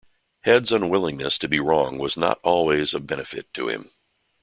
Head's unwillingness to be wrong was not always of benefit to him.